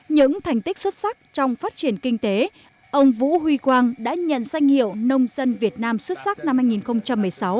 những thành tích xuất sắc trong phát triển kinh tế ông vũ huy quang đã nhận danh hiệu nông dân việt nam xuất sắc năm hai nghìn một mươi sáu